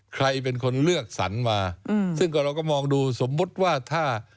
ใครเป็นคนเลือกสรรมาซึ่งก็เราก็มองดูสมมุติว่าถ้า